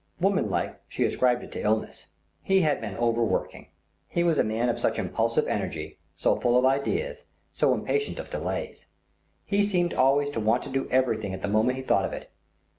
Womanlike she ascribed it to illness. He had been over working. He was a man of such impulsive energy, so full of ideas, so impatient of delays. He seemed always to want to do everything at the moment he thought of it.